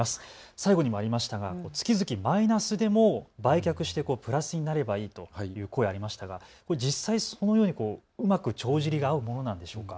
最後にもありましたが月々マイナスでも売却してプラスになればいいという声、ありましたが、実際そのようにうまく帳尻が合うものなんでしょうか。